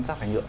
giác thải nhựa